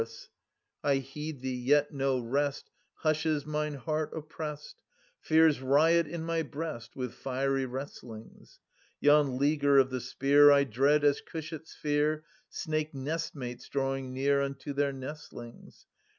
(Sir. i) I heed thee, yet no rest Hushes mine heart oppressed : Fears riot in my breast With fiery wrestlings. Yon leaguer of the spear 290 1 dread, as cushats fear Snake nestmates drawing near Unto their nestlings.